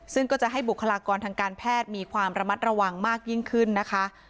ซึ่งก็จะให้บุคลากรทางการแพทย์มีความระมัดระวังมากยิ่งขึ้นนะคะ